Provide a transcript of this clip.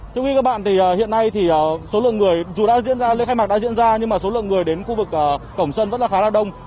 thưa quý vị và các bạn thì hiện nay thì số lượng người dù đã diễn ra lễ khai mạc đã diễn ra nhưng mà số lượng người đến khu vực cổng sân vẫn là khá là đông